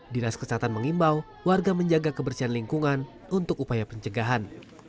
dinas kesehatan mengimbau warga menjaga kebersihan lingkungan untuk upaya pencegahan